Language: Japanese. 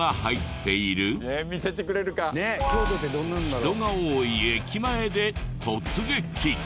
人が多い駅前で突撃。